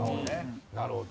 なるほど。